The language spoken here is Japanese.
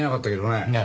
ねえ。